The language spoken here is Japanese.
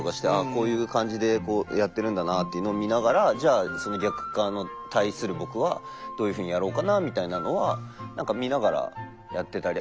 こういう感じでこうやってるんだなというのを見ながらじゃあその逆側の対する僕はどういうふうにやろうかなみたいなのは何か見ながらやってたり。